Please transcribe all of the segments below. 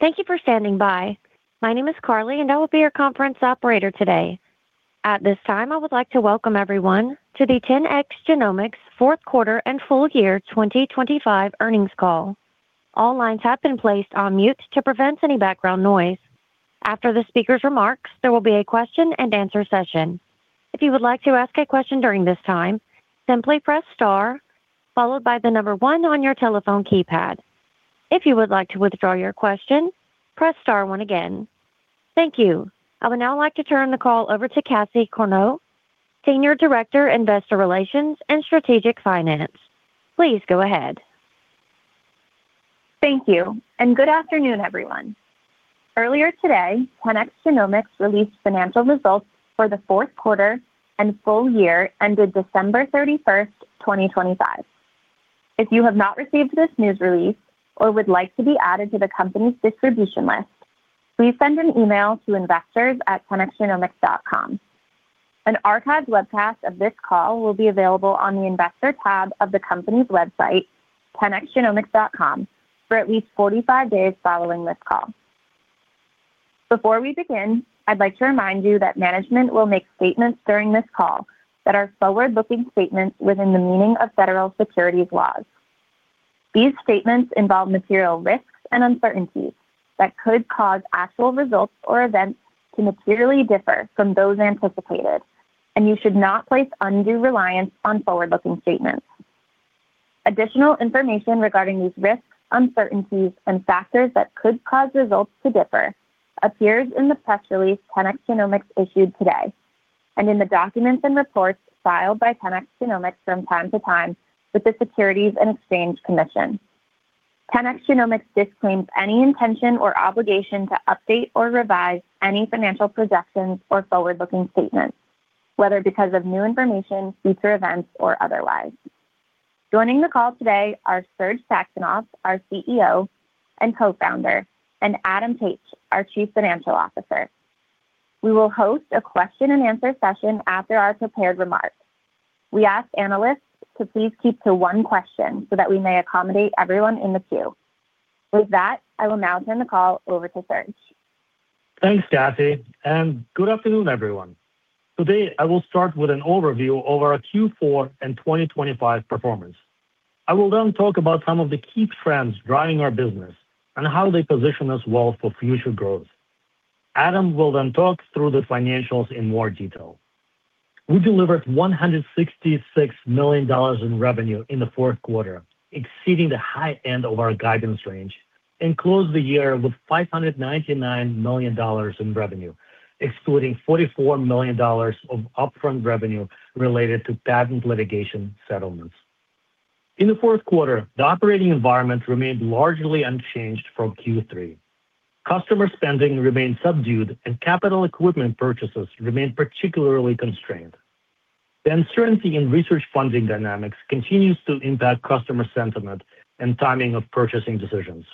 Thank you for standing by. My name is Carly, and I will be your conference operator today. At this time, I would like to welcome everyone to the 10x Genomics Fourth Quarter and Full Year 2025 Earnings Call. All lines have been placed on mute to prevent any background noise. After the speaker's remarks, there will be a question-and-answer session. If you would like to ask a question during this time, simply press star, followed by the number one on your telephone keypad. If you would like to withdraw your question, press star one again. Thank you. I would now like to turn the call over to Cassie Corneau, Senior Director, Investor Relations and Strategic Finance. Please go ahead. Thank you, and good afternoon, everyone. Earlier today, 10x Genomics released financial results for the fourth quarter and full year ended December 31st, 2025. If you have not received this news release or would like to be added to the company's distribution list, please send an email to investors@10xgenomics.com. An archived webcast of this call will be available on the Investor tab of the company's website, 10xgenomics.com, for at least 45 days following this call. Before we begin, I'd like to remind you that management will make statements during this call that are forward-looking statements within the meaning of federal securities laws. These statements involve material risks and uncertainties that could cause actual results or events to materially differ from those anticipated, and you should not place undue reliance on forward-looking statements. Additional information regarding these risks, uncertainties, and factors that could cause results to differ appears in the press release 10x Genomics issued today, and in the documents and reports filed by 10x Genomics from time to time with the Securities and Exchange Commission. 10x Genomics disclaims any intention or obligation to update or revise any financial projections or forward-looking statements, whether because of new information, future events, or otherwise. Joining the call today are Serge Saxonov, our CEO and Co-founder, and Adam Taich, our Chief Financial Officer. We will host a question-and-answer session after our prepared remarks. We ask analysts to please keep to one question so that we may accommodate everyone in the queue. With that, I will now turn the call over to Serge. Thanks, Cassie, and good afternoon, everyone. Today, I will start with an overview over our Q4 and 2025 performance. I will then talk about some of the key trends driving our business and how they position us well for future growth. Adam will then talk through the financials in more detail. We delivered $166 million in revenue in the fourth quarter, exceeding the high end of our guidance range, and closed the year with $599 million in revenue, excluding $44 million of upfront revenue related to patent litigation settlements. In the fourth quarter, the operating environment remained largely unchanged from Q3. Customer spending remained subdued and capital equipment purchases remained particularly constrained. The uncertainty in research funding dynamics continues to impact customer sentiment and timing of purchasing decisions.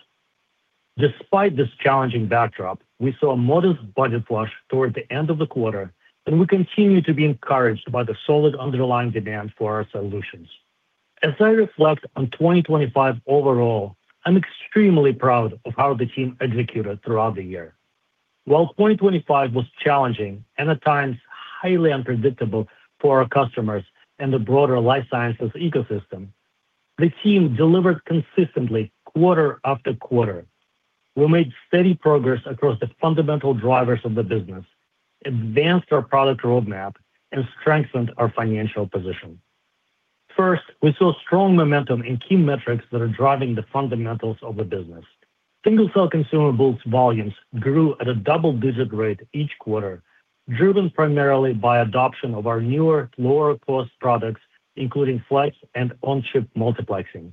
Despite this challenging backdrop, we saw a modest budget flush toward the end of the quarter, and we continue to be encouraged by the solid underlying demand for our solutions. As I reflect on 2025 overall, I'm extremely proud of how the team executed throughout the year. While 2025 was challenging and at times highly unpredictable for our customers and the broader life sciences ecosystem, the team delivered consistently quarter after quarter. We made steady progress across the fundamental drivers of the business, advanced our product roadmap, and strengthened our financial position. First, we saw strong momentum in key metrics that are driving the fundamentals of the business. Single-cell consumables volumes grew at a double-digit rate each quarter, driven primarily by adoption of our newer, lower-cost products, including Flex and on-chip multiplexing.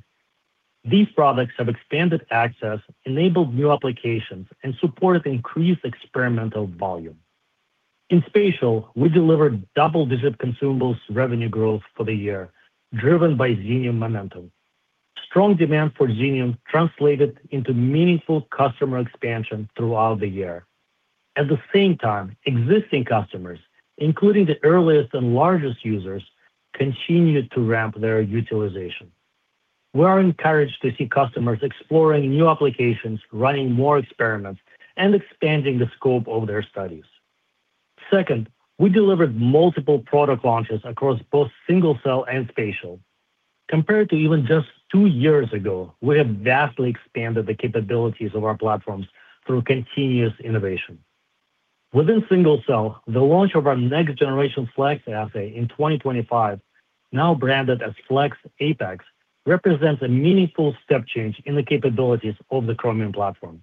These products have expanded access, enabled new applications, and supported increased experimental volume. In spatial, we delivered double-digit consumables revenue growth for the year, driven by Xenium momentum. Strong demand for Xenium translated into meaningful customer expansion throughout the year. At the same time, existing customers, including the earliest and largest users, continued to ramp their utilization. We are encouraged to see customers exploring new applications, running more experiments, and expanding the scope of their studies. Second, we delivered multiple product launches across both single-cell and spatial. Compared to even just two years ago, we have vastly expanded the capabilities of our platforms through continuous innovation. Within single cell, the launch of our next-generation Flex assay in 2025, now branded as Flex Apex, represents a meaningful step change in the capabilities of the Chromium platform.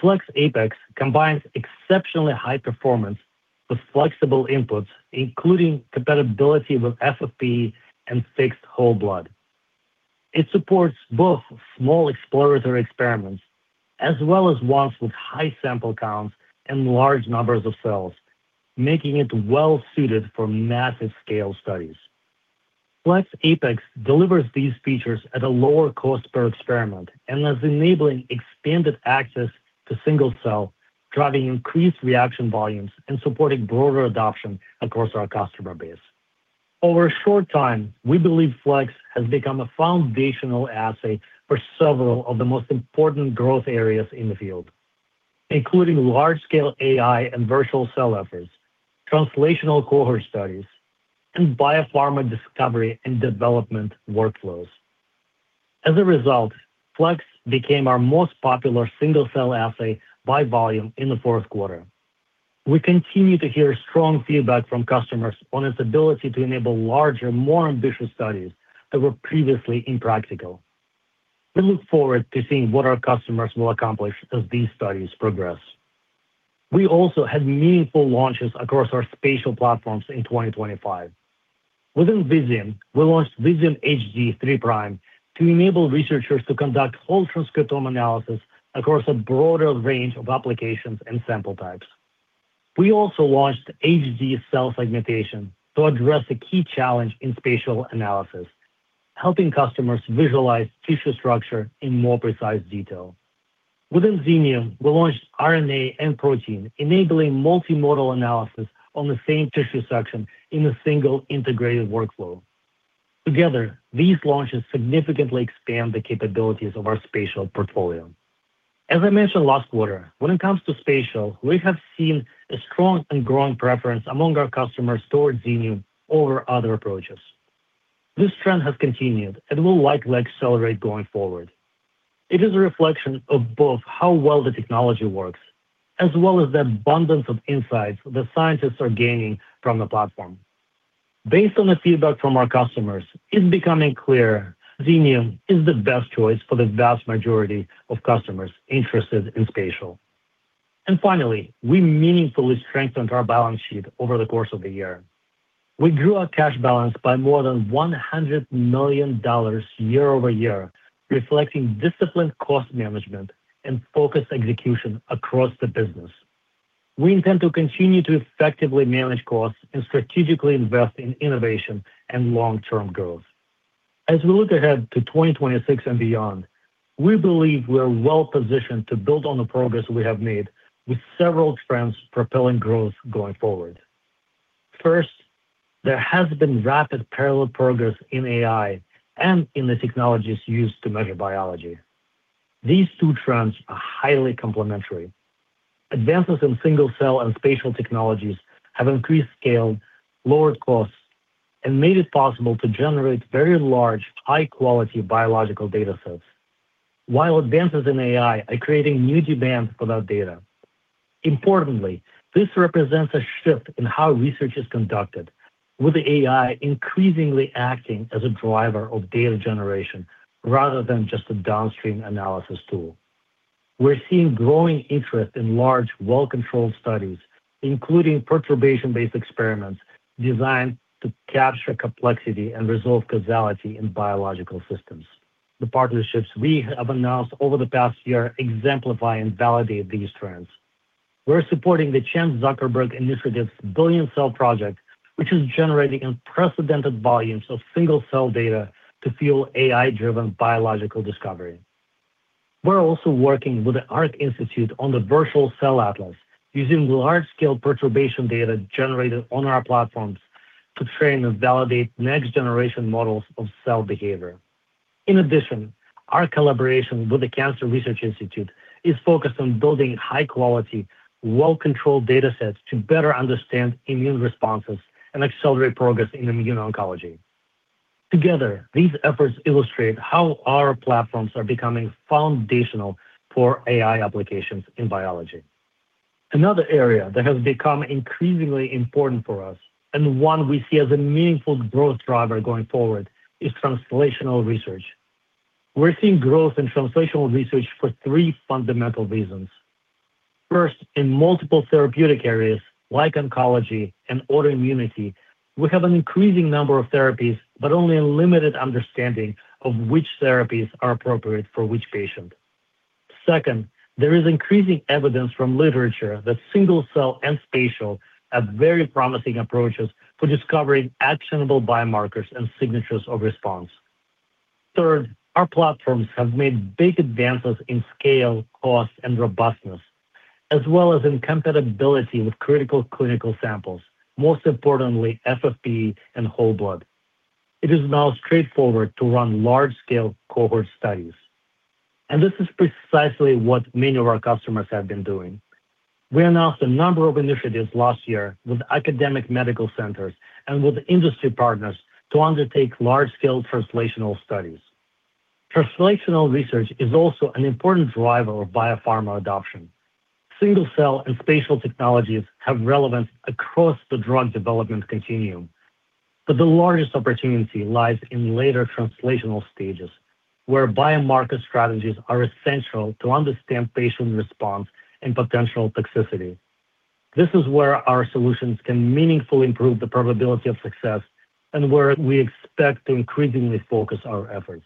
Flex Apex combines exceptionally high performance with flexible inputs, including compatibility with FFPE and fixed whole blood. It supports both small exploratory experiments as well as ones with high sample counts and large numbers of cells, making it well-suited for massive-scale studies. Flex Apex delivers these features at a lower cost per experiment and is enabling expanded access to single-cell, driving increased reaction volumes and supporting broader adoption across our customer base. Over a short time, we believe Flex has become a foundational assay for several of the most important growth areas in the field, including large-scale AI and Virtual Cell efforts, translational cohort studies, and biopharma discovery and development workflows. As a result, Flex became our most popular single-cell assay by volume in the fourth quarter. We continue to hear strong feedback from customers on its ability to enable larger, more ambitious studies that were previously impractical. We look forward to seeing what our customers will accomplish as these studies progress. We also had meaningful launches across our spatial platforms in 2025. Within Visium, we launched Visium HD 3' to enable researchers to conduct whole transcriptome analysis across a broader range of applications and sample types. We also launched HD cell segmentation to address a key challenge in spatial analysis, helping customers visualize tissue structure in more precise detail. Within Xenium, we launched RNA and protein, enabling multimodal analysis on the same tissue section in a single integrated workflow. Together, these launches significantly expand the capabilities of our spatial portfolio. As I mentioned last quarter, when it comes to spatial, we have seen a strong and growing preference among our customers towards Xenium over other approaches. This trend has continued and will likely accelerate going forward. It is a reflection of both how well the technology works, as well as the abundance of insights that scientists are gaining from the platform. Based on the feedback from our customers, it's becoming clear Xenium is the best choice for the vast majority of customers interested in spatial. And finally, we meaningfully strengthened our balance sheet over the course of the year. We grew our cash balance by more than $100 million year-over-year, reflecting disciplined cost management and focused execution across the business. We intend to continue to effectively manage costs and strategically invest in innovation and long-term growth. As we look ahead to 2026 and beyond, we believe we are well-positioned to build on the progress we have made with several trends propelling growth going forward. First, there has been rapid parallel progress in AI and in the technologies used to measure biology. These two trends are highly complementary. Advances in single-cell and spatial technologies have increased scale, lowered costs, and made it possible to generate very large, high-quality biological data sets, while advances in AI are creating new demands for that data. Importantly, this represents a shift in how research is conducted, with AI increasingly acting as a driver of data generation rather than just a downstream analysis tool. We're seeing growing interest in large, well-controlled studies, including perturbation-based experiments designed to capture complexity and resolve causality in biological systems. The partnerships we have announced over the past year exemplify and validate these trends. We're supporting the Chan Zuckerberg Initiative's Billion Cells Project, which is generating unprecedented volumes of single-cell data to fuel AI-driven biological discovery. We're also working with the Arc Institute on the Virtual Cell Atlas, using large-scale perturbation data generated on our platforms to train and validate next-generation models of cell behavior. In addition, our collaboration with the Cancer Research Institute is focused on building high-quality, well-controlled datasets to better understand immune responses and accelerate progress in immuno-oncology. Together, these efforts illustrate how our platforms are becoming foundational for AI applications in biology. Another area that has become increasingly important for us, and one we see as a meaningful growth driver going forward, is translational research. We're seeing growth in translational research for three fundamental reasons. First, in multiple therapeutic areas like oncology and autoimmunity, we have an increasing number of therapies, but only a limited understanding of which therapies are appropriate for which patient. Second, there is increasing evidence from literature that single-cell and spatial are very promising approaches for discovering actionable biomarkers and signatures of response. Third, our platforms have made big advances in scale, cost, and robustness, as well as in compatibility with critical clinical samples, most importantly, FFPE and whole blood. It is now straightforward to run large-scale cohort studies, and this is precisely what many of our customers have been doing. We announced a number of initiatives last year with academic medical centers and with industry partners to undertake large-scale translational studies. Translational research is also an important driver of biopharma adoption. Single-cell and spatial technologies have relevance across the drug development continuum, but the largest opportunity lies in later translational stages, where biomarker strategies are essential to understand patient response and potential toxicity. This is where our solutions can meaningfully improve the probability of success and where we expect to increasingly focus our efforts.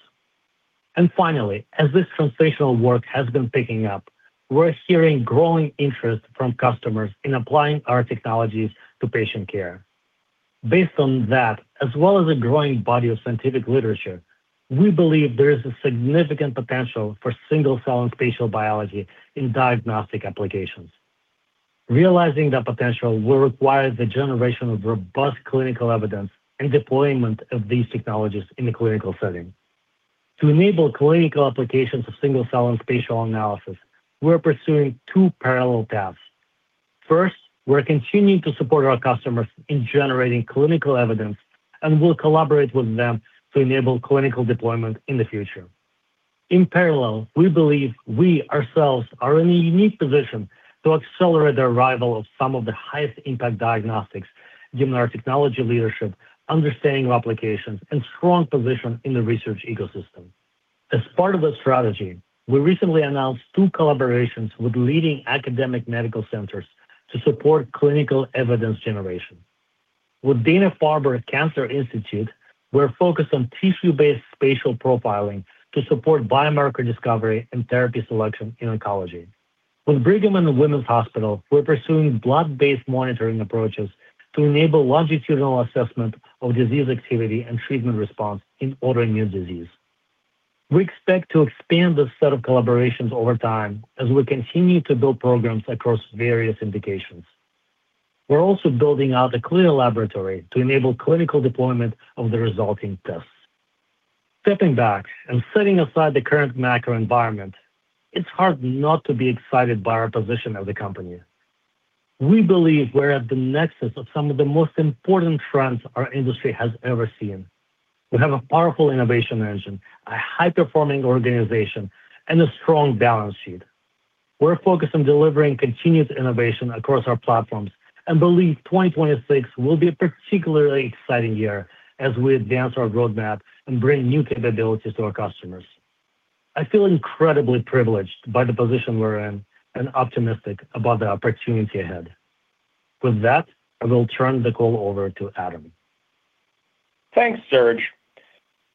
And finally, as this translational work has been picking up, we're hearing growing interest from customers in applying our technologies to patient care. Based on that, as well as a growing body of scientific literature, we believe there is a significant potential for single-cell and spatial biology in diagnostic applications. Realizing that potential will require the generation of robust clinical evidence and deployment of these technologies in the clinical setting. To enable clinical applications of single-cell and spatial analysis, we're pursuing two parallel paths. First, we're continuing to support our customers in generating clinical evidence, and we'll collaborate with them to enable clinical deployment in the future. In parallel, we believe we ourselves are in a unique position to accelerate the arrival of some of the highest impact diagnostics, given our technology leadership, understanding of applications, and strong position in the research ecosystem. As part of the strategy, we recently announced two collaborations with leading academic medical centers to support clinical evidence generation. With Dana-Farber Cancer Institute, we're focused on tissue-based spatial profiling to support biomarker discovery and therapy selection in oncology. With Brigham and Women's Hospital, we're pursuing blood-based monitoring approaches to enable longitudinal assessment of disease activity and treatment response in autoimmune disease. We expect to expand this set of collaborations over time as we continue to build programs across various indications. We're also building out a CLIA laboratory to enable clinical deployment of the resulting tests. Stepping back and setting aside the current macro environment, it's hard not to be excited by our position of the company. We believe we're at the nexus of some of the most important trends our industry has ever seen. We have a powerful innovation engine, a high-performing organization, and a strong balance sheet. We're focused on delivering continuous innovation across our platforms and believe 2026 will be a particularly exciting year as we advance our roadmap and bring new capabilities to our customers. I feel incredibly privileged by the position we're in and optimistic about the opportunity ahead. With that, I will turn the call over to Adam. Thanks, Serge.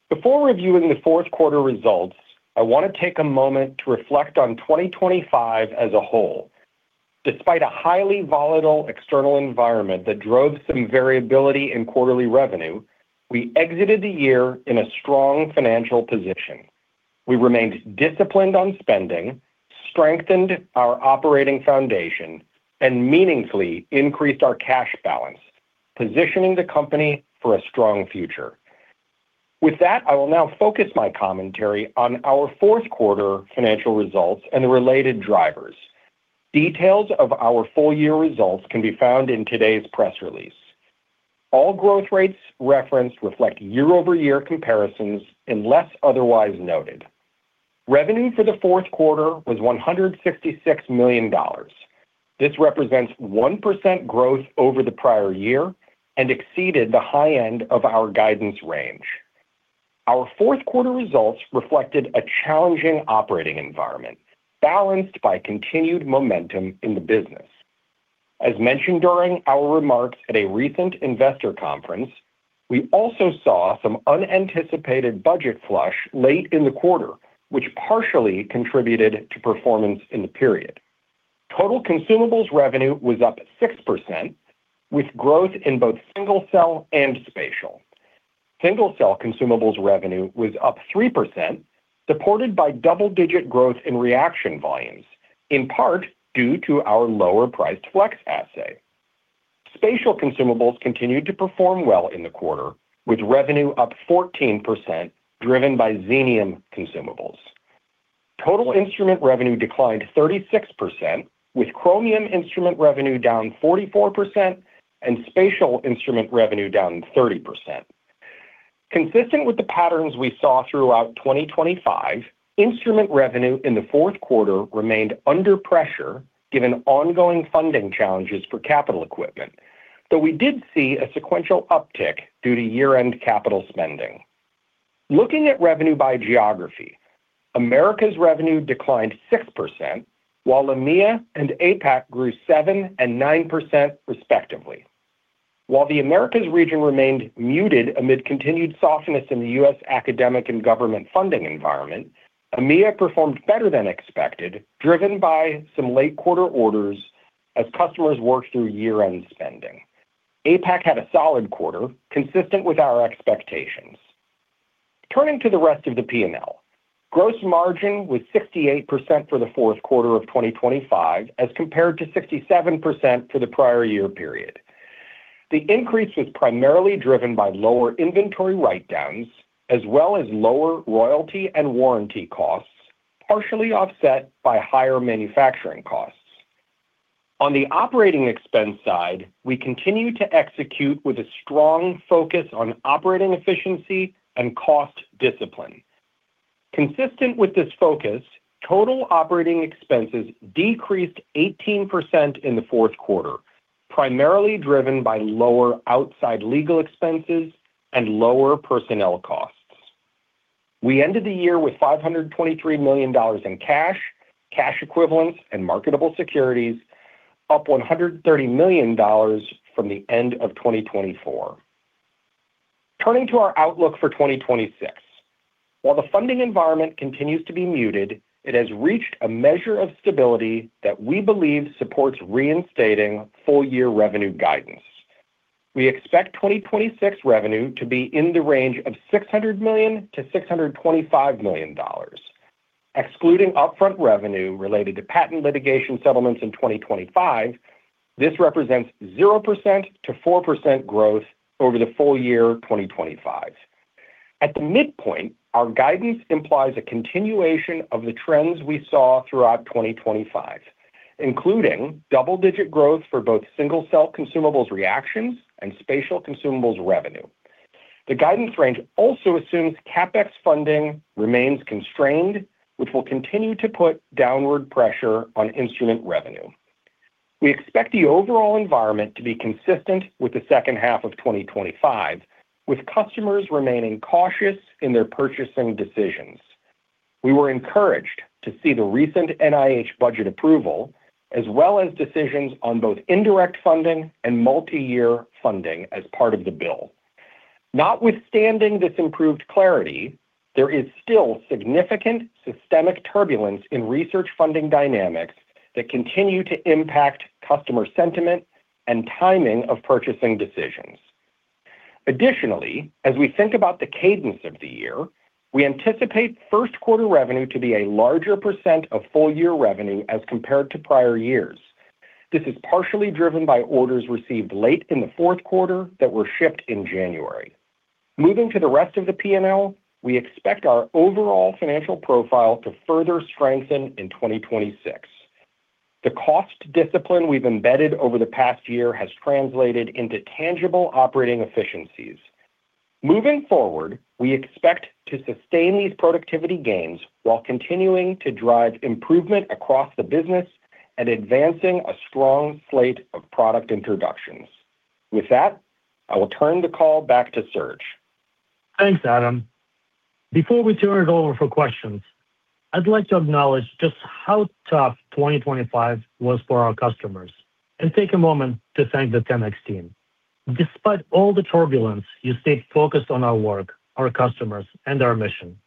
Before reviewing the fourth quarter results, I want to take a moment to reflect on 2025 as a whole. Despite a highly volatile external environment that drove some variability in quarterly revenue, we exited the year in a strong financial position. We remained disciplined on spending, strengthened our operating foundation, and meaningfully increased our cash balance, positioning the company for a strong future. With that, I will now focus my commentary on our fourth quarter financial results and the related drivers. Details of our full-year results can be found in today's press release. All growth rates referenced reflect year-over-year comparisons, unless otherwise noted. Revenue for the fourth quarter was $166 million. This represents 1% growth over the prior year and exceeded the high end of our guidance range. Our fourth quarter results reflected a challenging operating environment, balanced by continued momentum in the business. As mentioned during our remarks at a recent investor conference, we also saw some unanticipated budget flush late in the quarter, which partially contributed to performance in the period. Total consumables revenue was up 6%, with growth in both single-cell and spatial. Single-cell consumables revenue was up 3%, supported by double-digit growth in reaction volumes, in part due to our lower-priced Flex assay. Spatial consumables continued to perform well in the quarter, with revenue up 14%, driven by Xenium consumables. Total instrument revenue declined 36%, with Chromium instrument revenue down 44% and spatial instrument revenue down 30%. Consistent with the patterns we saw throughout 2025, instrument revenue in the fourth quarter remained under pressure, given ongoing funding challenges for capital equipment, though we did see a sequential uptick due to year-end capital spending. Looking at revenue by geography, Americas revenue declined 6%, while EMEA and APAC grew 7% and 9%, respectively. While the Americas region remained muted amid continued softness in the U.S. academic and government funding environment, EMEA performed better than expected, driven by some late-quarter orders as customers worked through year-end spending. APAC had a solid quarter, consistent with our expectations. Turning to the rest of the P&L. Gross margin was 68% for the fourth quarter of 2025, as compared to 67% for the prior year period. The increase was primarily driven by lower inventory write-downs, as well as lower royalty and warranty costs, partially offset by higher manufacturing costs. On the operating expense side, we continued to execute with a strong focus on operating efficiency and cost discipline. Consistent with this focus, total operating expenses decreased 18% in the fourth quarter, primarily driven by lower outside legal expenses and lower personnel costs. We ended the year with $523 million in cash, cash equivalents, and marketable securities, up $130 million from the end of 2024. Turning to our outlook for 2026. While the funding environment continues to be muted, it has reached a measure of stability that we believe supports reinstating full-year revenue guidance. We expect 2026 revenue to be in the range of $600 million-$625 million. Excluding upfront revenue related to patent litigation settlements in 2025, this represents 0%-4% growth over the full year 2025. At the midpoint, our guidance implies a continuation of the trends we saw throughout 2025, including double-digit growth for both single-cell consumables reactions and spatial consumables revenue. The guidance range also assumes CapEx funding remains constrained, which will continue to put downward pressure on instrument revenue. We expect the overall environment to be consistent with the second half of 2025, with customers remaining cautious in their purchasing decisions. We were encouraged to see the recent NIH budget approval, as well as decisions on both indirect funding and multi-year funding as part of the bill. Notwithstanding this improved clarity, there is still significant systemic turbulence in research funding dynamics that continue to impact customer sentiment and timing of purchasing decisions. Additionally, as we think about the cadence of the year, we anticipate first quarter revenue to be a larger % of full-year revenue as compared to prior years. This is partially driven by orders received late in the fourth quarter that were shipped in January. Moving to the rest of the P&L, we expect our overall financial profile to further strengthen in 2026. The cost discipline we've embedded over the past year has translated into tangible operating efficiencies. Moving forward, we expect to sustain these productivity gains while continuing to drive improvement across the business and advancing a strong slate of product introductions. With that, I will turn the call back to Serge. Thanks, Adam. Before we turn it over for questions, I'd like to acknowledge just how tough 2025 was for our customers and take a moment to thank the 10x team. Despite all the turbulence, you stayed focused on our work, our customers, and our mission.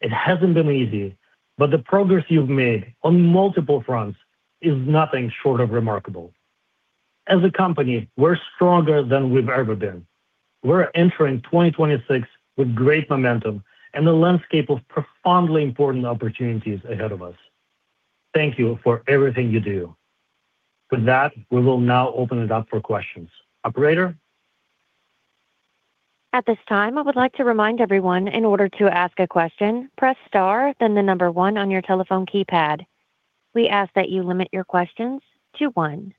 It hasn't been easy, but the progress you've made on multiple fronts is nothing short of remarkable. As a company, we're stronger than we've ever been. We're entering 2026 with great momentum and a landscape of profoundly important opportunities ahead of us. Thank you for everything you do. With that, we will now open it up for questions. Operator? At this time, I would like to remind everyone in order to ask a question, press star, then the number one on your telephone keypad. We ask that you limit your questions to one.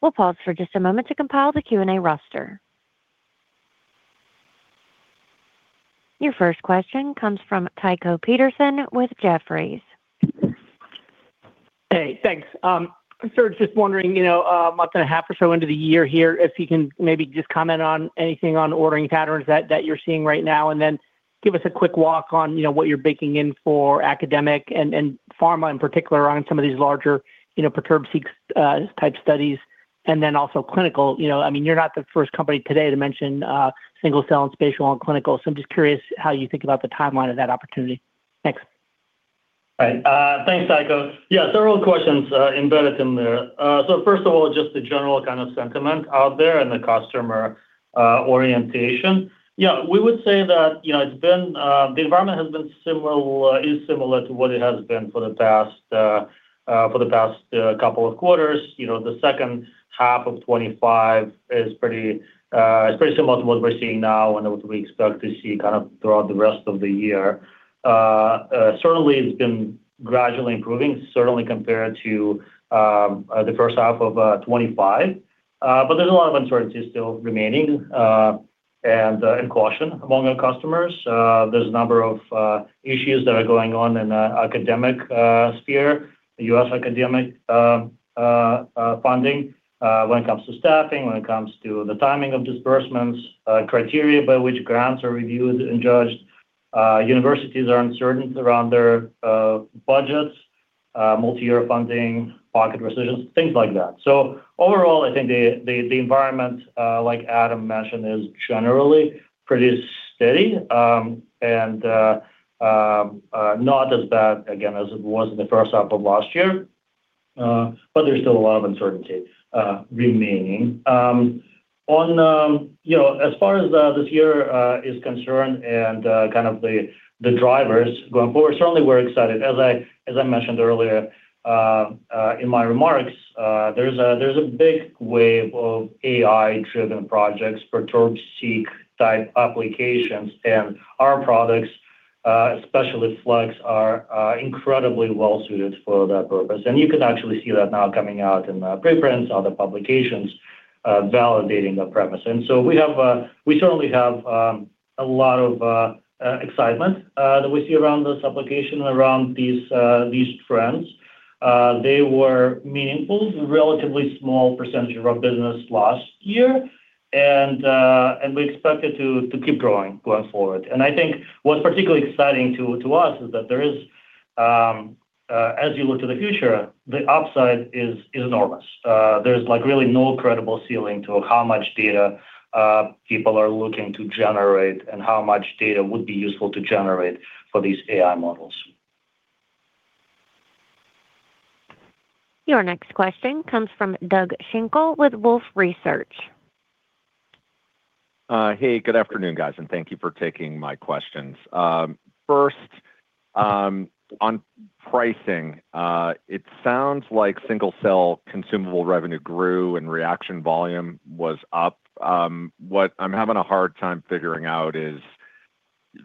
We'll pause for just a moment to compile the Q&A roster. Your first question comes from Tycho Peterson with Jefferies. Hey, thanks. Serge, just wondering, you know, a month and a half or so into the year here, if you can maybe just comment on anything on ordering patterns that you're seeing right now, and then give us a quick walk on, you know, what you're baking in for academic and pharma, in particular, around some of these larger, you know, Perturb-seq type studies, and then also clinical. You know, I mean, you're not the first company today to mention single-cell and spatial on clinical. So I'm just curious how you think about the timeline of that opportunity. Thanks. Right. Thanks, Tycho. Yeah, several questions, embedded in there. So first of all, just the general kind of sentiment out there and the customer orientation. Yeah, we would say that, you know, it's been, the environment has been similar, is similar to what it has been for the past, for the past couple of quarters. You know, the second half of 2025 is pretty, is pretty similar to what we're seeing now and what we expect to see kind of throughout the rest of the year. Certainly, it's been gradually improving, certainly compared to the first half of 2025, but there's a lot of uncertainty still remaining, and, and caution among our customers. There's a number of issues that are going on in the academic sphere, the U.S. academic funding, when it comes to staffing, when it comes to the timing of disbursements, criteria by which grants are reviewed and judged, universities are uncertain around their budgets, multi-year funding, budget resolutions, things like that. So overall, I think the environment, like Adam mentioned, is generally pretty steady, and not as bad, again, as it was in the first half of last year, but there's still a lot of uncertainty remaining. On you know, as far as this year is concerned and kind of the drivers going forward, certainly we're excited. As I mentioned earlier in my remarks, there's a big wave of AI-driven projects, Perturb-seq type applications, and our products, especially Flex, are incredibly well-suited for that purpose. And you can actually see that now coming out in preprints, other publications, validating the premise. And so we certainly have a lot of excitement that we see around this application, around these trends. They were meaningful, relatively small percentage of our business last year, and we expect it to keep growing going forward. And I think what's particularly exciting to us is that there is, as you look to the future, the upside is enormous. There's like really no credible ceiling to how much data people are looking to generate and how much data would be useful to generate for these AI models. Your next question comes from Doug Schenkel with Wolfe Research. Hey, good afternoon, guys, and thank you for taking my questions. First, on pricing, it sounds like single-cell consumable revenue grew and reaction volume was up. What I'm having a hard time figuring out is,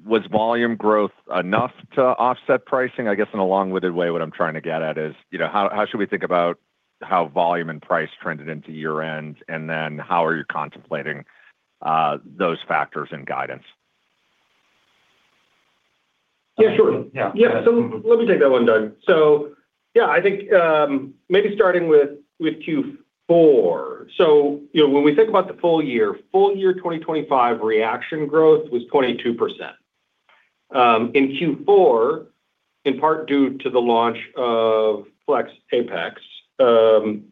was volume growth enough to offset pricing? I guess in a long-winded way, what I'm trying to get at is, you know, how, how should we think about how volume and price trended into year-end, and then how are you contemplating those factors in guidance? Yeah, sure. Yeah.So let me take that one, Doug. So, yeah, I think, maybe starting with Q4. So, you know, when we think about the full year, full year, 2025 reaction growth was 22%. In Q4, in part due to the launch of Flex Apex,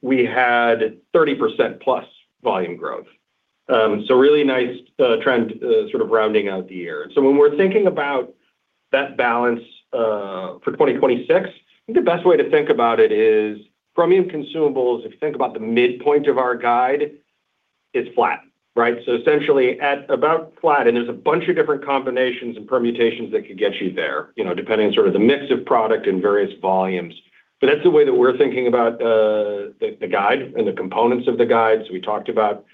we had 30%+ volume growth. So really nice trend sort of rounding out the year. So when we're thinking about that balance, for 2026, I think the best way to think about it is Chromium consumables, if you think about the midpoint of our guide, it's flat, right? So essentially at about flat, and there's a bunch of different combinations and permutations that could get you there, you know, depending on sort of the mix of product and various volumes. But that's the way that we're thinking about the guide and the components of the guide. So we talked about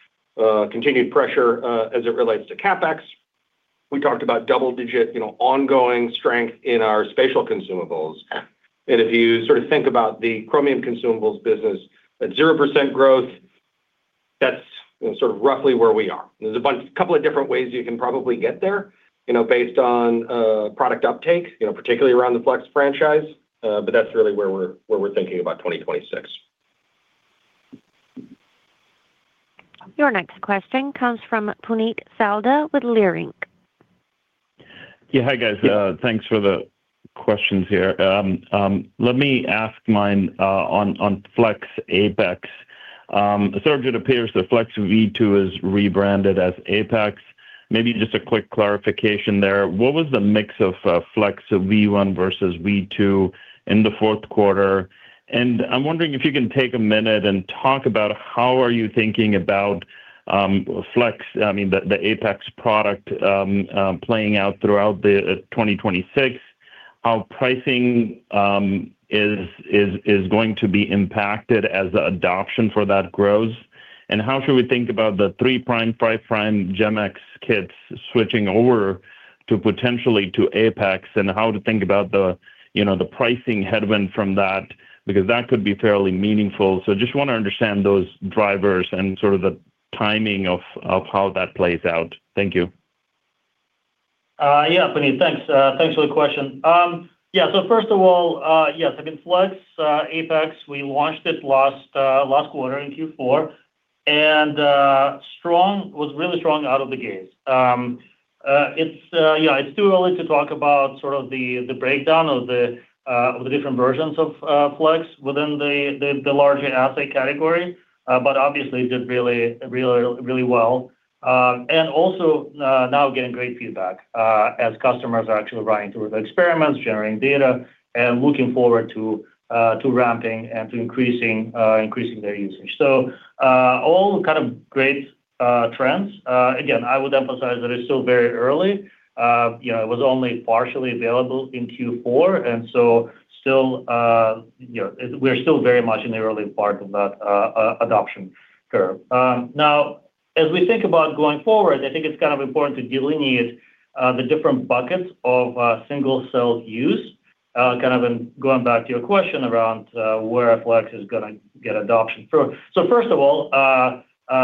continued pressure as it relates to CapEx. We talked about double-digit, you know, ongoing strength in our spatial consumables. And if you sort of think about the Chromium consumables business at 0% growth, that's sort of roughly where we are. There's a couple of different ways you can probably get there, you know, based on product uptake, you know, particularly around the Flex franchise, but that's really where we're thinking about 2026. Your next question comes from Puneet Souda with Leerink. Yeah. Hi, guys. Thanks for the questions here. Let me ask mine on Flex Apex. So it appears that Flex v2 is rebranded as Apex. Maybe just a quick clarification there. What was the mix of Flex v1 versus v2 in the fourth quarter? And I'm wondering if you can take a minute and talk about how are you thinking about Flex, I mean, the Apex product, playing out throughout 2026, how pricing is going to be impacted as the adoption for that grows? And how should we think about the 3', 5' GEM-X kits switching over to potentially Apex and how to think about the, you know, the pricing headwind from that, because that could be fairly meaningful. Just want to understand those drivers and sort of the timing of how that plays out. Thank you. Yeah, Puneet, thanks. Thanks for the question. Yeah, so first of all, yes, I mean, Flex Apex, we launched it last quarter in Q4, and was really strong out of the gate. It's too early to talk about sort of the breakdown of the different versions of Flex within the larger assay category, but obviously did really, really, really well. And also now getting great feedback as customers are actually running through the experiments, generating data, and looking forward to ramping and to increasing their usage. So, all kind of great trends. Again, I would emphasize that it's still very early. You know, it was only partially available in Q4, and so still, you know, we're still very much in the early part of that adoption curve. Now, as we think about going forward, I think it's kind of important to delineate the different buckets of single-cell use kind of and going back to your question around where Flex is gonna get adoption. So first of all,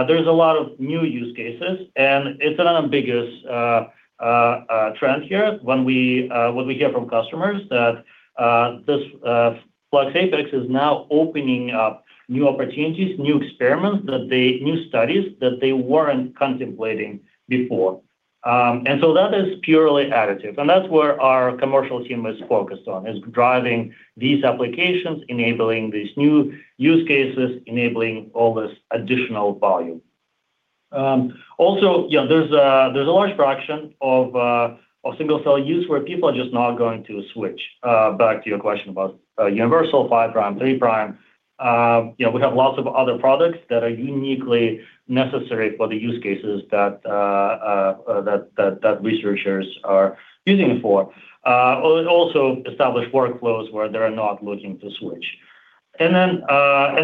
there's a lot of new use cases, and it's an ambiguous trend here when we hear from customers that this Flex Apex is now opening up new opportunities, new experiments, that they—new studies that they weren't contemplating before. And so that is purely additive, and that's where our commercial team is focused on, is driving these applications, enabling these new use cases, enabling all this additional volume. Also, yeah, there's a large fraction of single-cell use where people are just not going to switch. Back to your question about universal 5', 3'. You know, we have lots of other products that are uniquely necessary for the use cases that researchers are using it for. Also established workflows where they're not looking to switch. And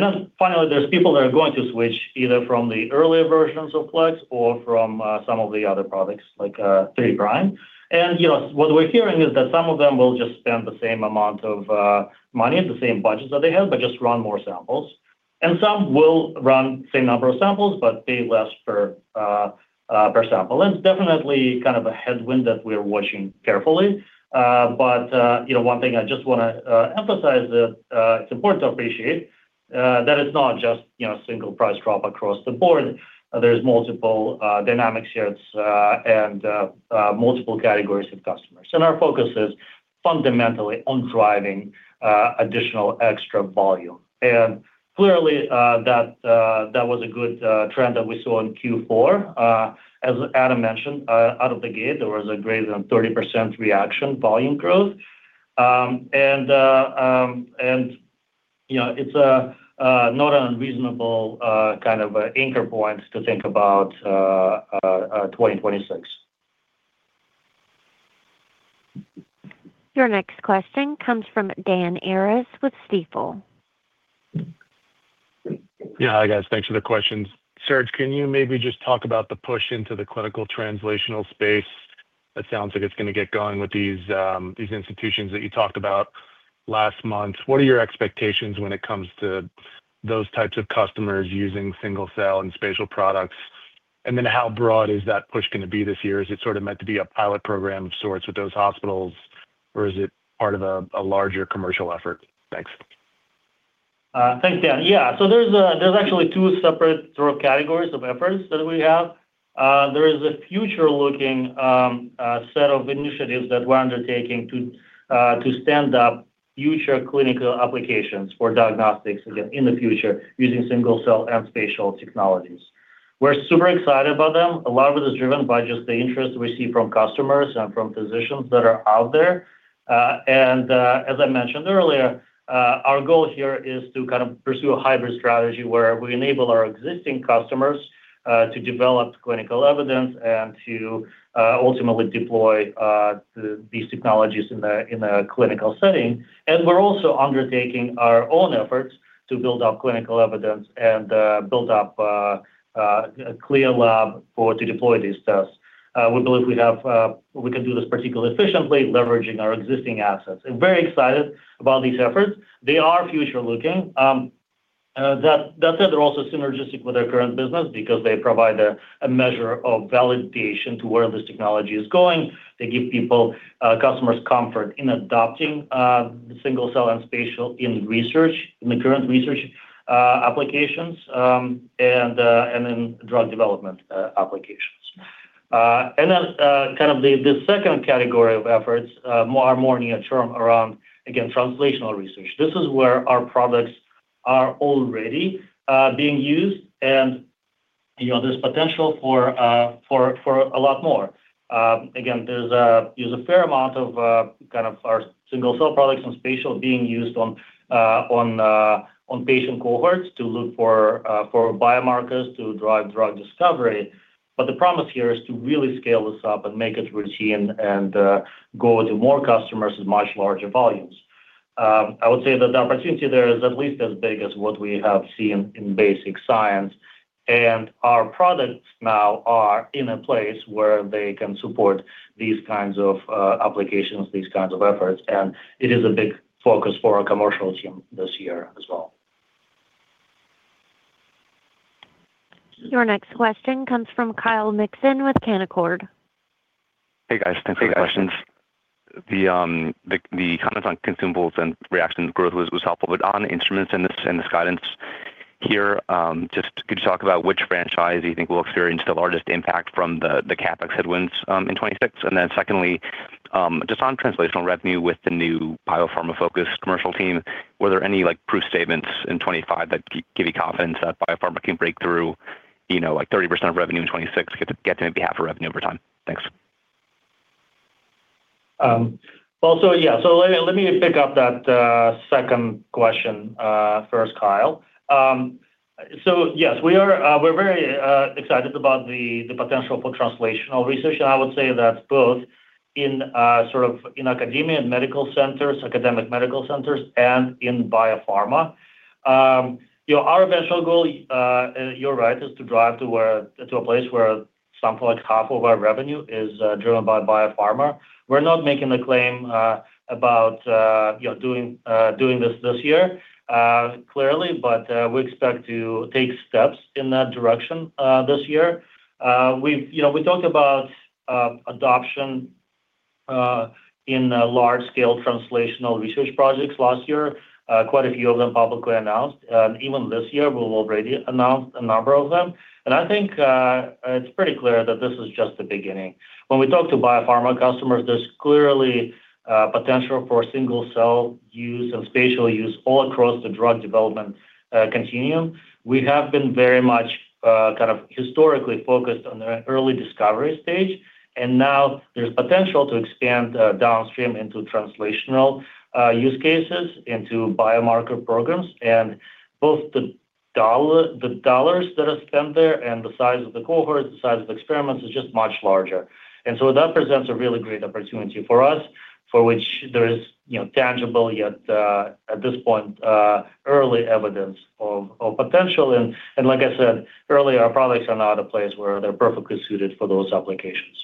then finally, there's people that are going to switch either from the earlier versions of Flex or from some of the other products, like 3'. You know, what we're hearing is that some of them will just spend the same amount of money and the same budgets that they have, but just run more samples, and some will run the same number of samples but pay less per sample. It's definitely kind of a headwind that we're watching carefully. But, you know, one thing I just want to emphasize that it's important to appreciate that it's not just, you know, single price drop across the board. There's multiple dynamics here, and multiple categories of customers. And our focus is fundamentally on driving additional extra volume. Clearly, that was a good trend that we saw in Q4. As Adam mentioned, out of the gate, there was a greater than 30% reaction volume growth. You know, it's a not unreasonable kind of anchor point to think about 2026. Your next question comes from Dan Arias with Stifel. Yeah. Hi, guys. Thanks for the questions. Serge, can you maybe just talk about the push into the clinical translational space? That sounds like it's gonna get going with these institutions that you talked about last month. What are your expectations when it comes to those types of customers using single-cell and spatial products? And then how broad is that push gonna be this year? Is it sort of meant to be a pilot program of sorts with those hospitals, or is it part of a larger commercial effort? Thanks. Thanks, Dan. Yeah. So there's actually two separate sort of categories of efforts that we have. There is a future-looking set of initiatives that we're undertaking to stand up future clinical applications for diagnostics in the future, using single-cell and spatial technologies. We're super excited about them. A lot of it is driven by just the interest we see from customers and from physicians that are out there. And as I mentioned earlier, our goal here is to kind of pursue a hybrid strategy, where we enable our existing customers to develop clinical evidence and to ultimately deploy these technologies in a clinical setting. And we're also undertaking our own efforts to build up clinical evidence and build up a CLIA lab to deploy these tests. We believe we can do this particularly efficiently, leveraging our existing assets, and very excited about these efforts. They are future-looking. That said, they're also synergistic with our current business because they provide a measure of validation to where this technology is going. They give people, customers comfort in adopting single-cell and spatial in research, in the current research applications, and in drug development applications. And then, kind of the second category of efforts, more near-term around, again, translational research. This is where our products are already being used, and, you know, there's potential for a lot more. Again, there's a fair amount of kind of our single-cell products and spatial being used on patient cohorts to look for biomarkers to drive drug discovery. But the promise here is to really scale this up and make it routine and go to more customers with much larger volumes. I would say that the opportunity there is at least as big as what we have seen in basic science, and our products now are in a place where they can support these kinds of applications, these kinds of efforts, and it is a big focus for our commercial team this year as well. Your next question comes from Kyle Mixon with Canaccord. Hey, guys, thanks for the questions. The comments on consumables and reaction growth was helpful, but on instruments and this guidance here, just could you talk about which franchise you think will experience the largest impact from the CapEx headwinds in 2026? And then secondly, just on translational revenue with the new biopharma-focused commercial team, were there any, like, proof statements in 2025 that give you confidence that biopharma can break through, you know, like 30% of revenue in 2026, get to maybe half of revenue over time? Thanks. Well, so yeah. So let me pick up that second question first, Kyle. So yes, we are, we're very excited about the potential for translational research, and I would say that's both in sort of in academia and medical centers, academic medical centers, and in biopharma. You know, our eventual goal, and you're right, is to drive to a place where some point half of our revenue is driven by biopharma. We're not making a claim about you know, doing this this year, clearly, but we expect to take steps in that direction this year. We've you know, we talked about adoption in large-scale translational research projects last year. Quite a few of them publicly announced, and even this year, we've already announced a number of them. I think it's pretty clear that this is just the beginning. When we talk to biopharma customers, there's clearly potential for single-cell use and spatial use all across the drug development continuum. We have been very much kind of historically focused on the early discovery stage, and now there's potential to expand downstream into translational use cases, into biomarker programs. And both the dollars that are spent there and the size of the cohort, the size of experiments, is just much larger. And so that presents a really great opportunity for us, for which there is, you know, tangible, yet at this point early evidence of, of potential. And like I said earlier, our products are now at a place where they're perfectly suited for those applications.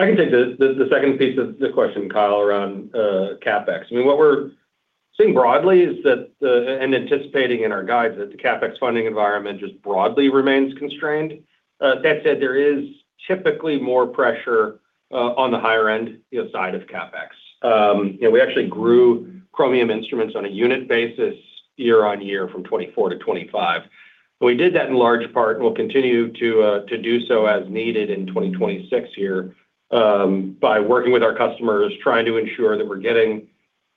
I can take the second piece of the question, Kyle, around CapEx. I mean, what we're seeing broadly, and anticipating in our guides, is that the CapEx funding environment just broadly remains constrained. That said, there is typically more pressure on the higher end, you know, side of CapEx. You know, we actually grew Chromium instruments on a unit basis year-over-year from 2024-2025. We did that in large part, and we'll continue to do so as needed in 2026 here, by working with our customers, trying to ensure that we're getting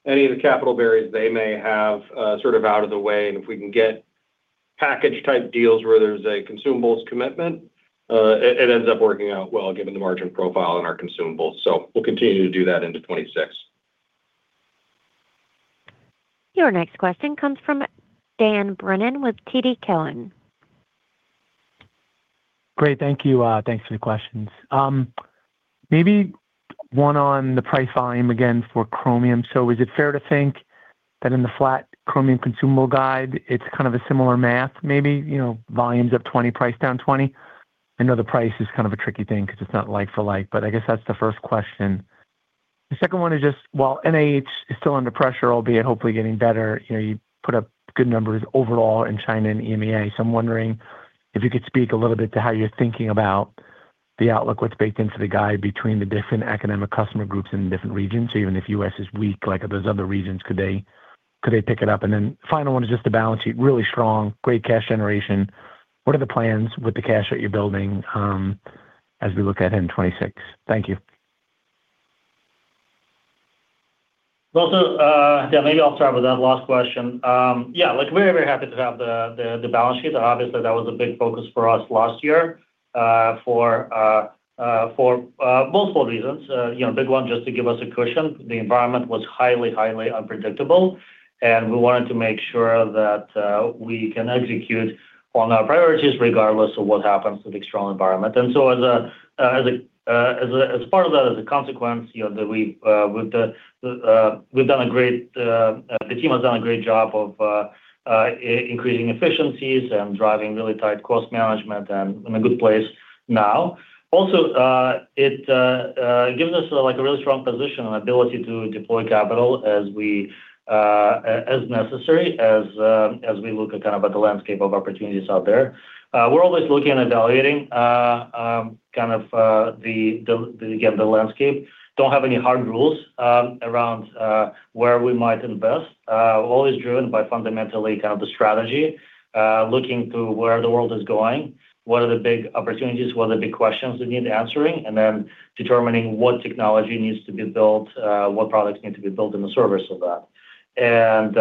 any of the capital barriers they may have, sort of out of the way. And if we can get package-type deals where there's a consumables commitment, it ends up working out well, given the margin profile on our consumables. We'll continue to do that into 2026. Your next question comes from Dan Brennan with TD Cowen. Great. Thank you. Thanks for the questions. Maybe one on the price volume again for Chromium. So is it fair to think that in the flat Chromium consumable guide, it's kind of a similar math, maybe, you know, volumes up 20%, price down 20%? I know the price is kind of a tricky thing because it's not like-for-like, but I guess that's the first question. The second one is just, while NIH is still under pressure, albeit hopefully getting better, you know, you put up good numbers overall in China and EMEA. So I'm wondering if you could speak a little bit to how you're thinking about the outlook, what's baked into the guide between the different academic customer groups in different regions, even if U.S. is weak, like, are those other regions, could they pick it up? Then final one is just the balance sheet, really strong, great cash generation. What are the plans with the cash that you're building, as we look ahead in 2026? Thank you. Well, so, yeah, maybe I'll start with that last question. Yeah, look, we're very happy to have the balance sheet. Obviously, that was a big focus for us last year for multiple reasons. You know, big one, just to give us a cushion. The environment was highly, highly unpredictable, and we wanted to make sure that we can execute on our priorities regardless of what happens to the external environment. And so as part of that, as a consequence, you know, we've done a great. The team has done a great job of increasing efficiencies and driving really tight cost management and in a good place now. Also, it gives us, like, a really strong position and ability to deploy capital as necessary as we look at kind of the landscape of opportunities out there. We're always looking and evaluating kind of the landscape again. Don't have any hard rules around where we might invest. Always driven by fundamentally kind of the strategy, looking to where the world is going, what are the big opportunities, what are the big questions that need answering, and then determining what technology needs to be built, what products need to be built in the service of that. And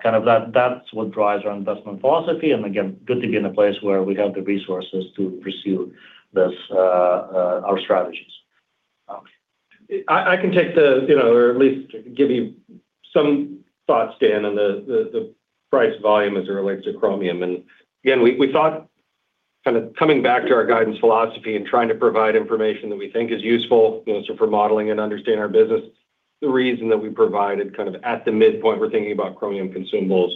kind of that, that's what drives our investment philosophy, and again, good to be in a place where we have the resources to pursue this, our strategies. I can take the, you know, or at least give you some thoughts, Dan, on the price volume as it relates to Chromium. And again, we thought kind of coming back to our guidance philosophy and trying to provide information that we think is useful, you know, so for modeling and understanding our business. The reason that we provided kind of at the midpoint, we're thinking about Chromium consumables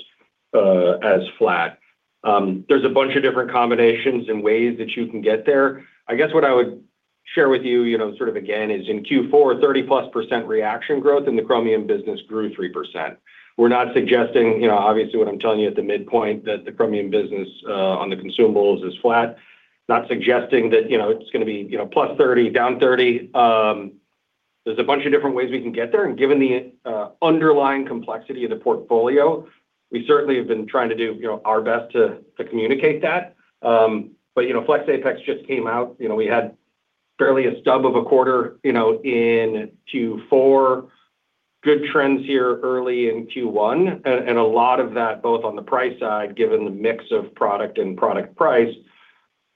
as flat. There's a bunch of different combinations and ways that you can get there. I guess what I would share with you, you know, sort of again, is in Q4, 30%+ reaction growth in the Chromium business grew 3%. We're not suggesting, you know, obviously, what I'm telling you at the midpoint, that the Chromium business on the consumables is flat. Not suggesting that, you know, it's gonna be, you know, +30%, -30%. There's a bunch of different ways we can get there, and given the underlying complexity of the portfolio, we certainly have been trying to do, you know, our best to communicate that. But, you know, Flex Apex just came out. You know, we had barely a stub of a quarter, you know, in Q4. Good trends here early in Q1, and a lot of that, both on the price side, given the mix of product and product price,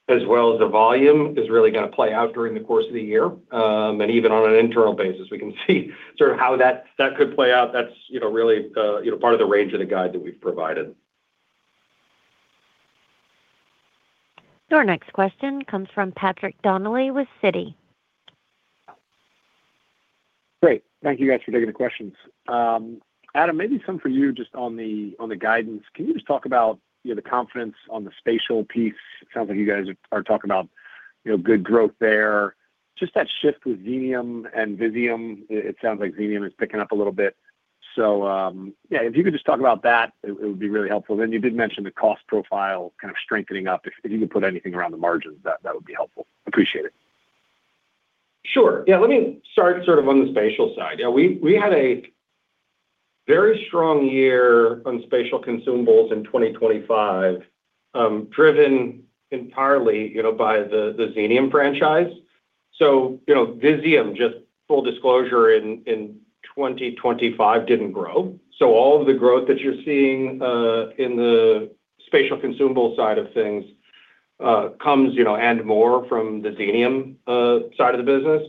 as well as the volume, is really gonna play out during the course of the year. And even on an internal basis, we can see sort of how that could play out. That's, you know, really, you know, part of the range of the guide that we've provided. Your next question comes from Patrick Donnelly with Citi. Great. Thank you, guys, for taking the questions. Adam, maybe some for you just on the guidance. Can you just talk about, you know, the confidence on the spatial piece? It sounds like you guys are talking about, you know, good growth there. Just that shift with Xenium and Visium, it sounds like Xenium is picking up a little bit. So, yeah, if you could just talk about that, it would be really helpful. Then you did mention the cost profile kind of strengthening up. If you could put anything around the margins, that would be helpful. Appreciate it. Sure. Yeah. Let me start sort of on the spatial side. Yeah, we had a very strong year on spatial consumables in 2025, driven entirely, you know, by the Xenium franchise. So, you know, Visium, just full disclosure, in 2025, didn't grow. So all of the growth that you're seeing in the spatial consumable side of things comes, you know, and more from the Xenium side of the business.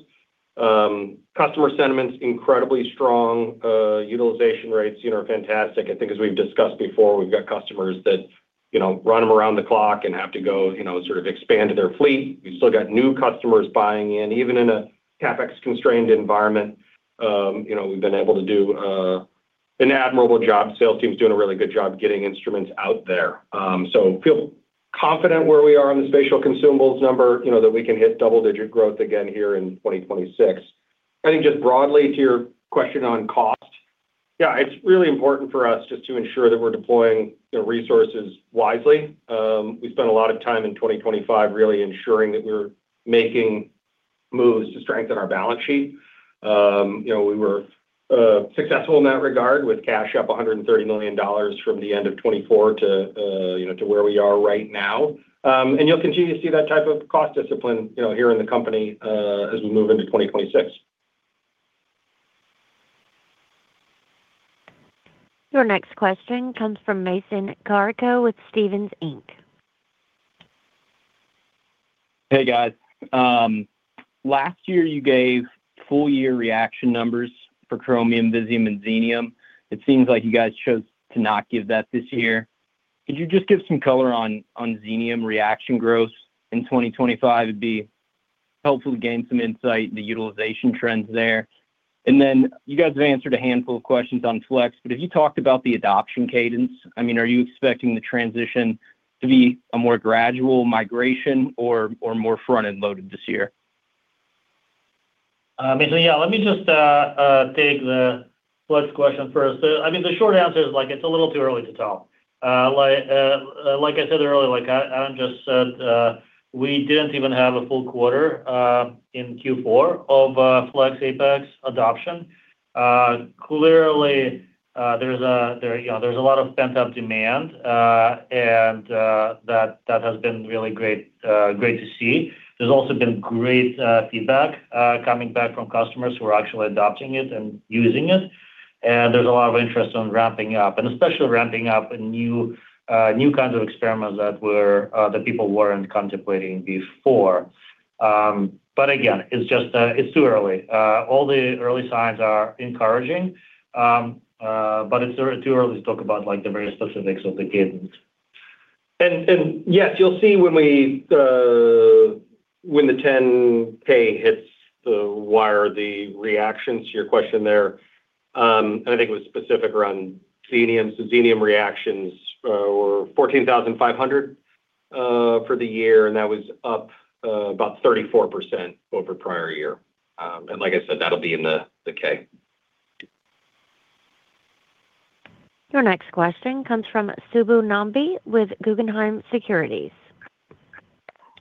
Customer sentiment's incredibly strong, utilization rates, you know, are fantastic. I think as we've discussed before, we've got customers that, you know, run them around the clock and have to go, you know, sort of expand their fleet. We've still got new customers buying in. Even in a CapEx-constrained environment, you know, we've been able to do an admirable job. Sales team's doing a really good job getting instruments out there. So feel confident where we are on the spatial consumables number, you know, that we can hit double-digit growth again here in 2026. I think just broadly to your question on cost, yeah, it's really important for us just to ensure that we're deploying the resources wisely. We spent a lot of time in 2025 really ensuring that we're making moves to strengthen our balance sheet. You know, we were successful in that regard with cash up $130 million from the end of 2024 to, you know, to where we are right now. And you'll continue to see that type of cost discipline, you know, here in the company, as we move into 2026. Your next question comes from Mason Carrico with Stephens Inc. Hey, guys. Last year you gave full-year reagent numbers for Chromium, Visium, and Xenium. It seems like you guys chose to not give that this year. Could you just give some color on Xenium reagent growth in 2025? It'd be helpful to gain some insight in the utilization trends there. And then you guys have answered a handful of questions on Flex, but have you talked about the adoption cadence? I mean, are you expecting the transition to be a more gradual migration or more front-end loaded this year? Mason, yeah, let me just take the Flex question first. I mean, the short answer is, like, it's a little too early to tell. Like, like I said earlier, like, I just said, we didn't even have a full quarter in Q4 of Flex Apex adoption. Clearly, you know, there's a lot of pent-up demand, and that has been really great, great to see. There's also been great feedback coming back from customers who are actually adopting it and using it. And there's a lot of interest on ramping up and especially ramping up new kinds of experiments that people weren't contemplating before. But again, it's just too early. All the early signs are encouraging, but it's still too early to talk about, like, the very specifics of the cadence. And yes, you'll see when we, when the 10-K hits the wire, the reactions to your question there, and I think it was specific around Xenium. So Xenium reactions were 14,500 for the year, and that was up about 34% over prior year. And like I said, that'll be in the 10-K. Your next question comes from Subbu Nambi with Guggenheim Securities.